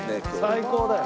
最高だよ。